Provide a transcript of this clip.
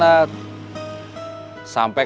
sampai kang mus yang menang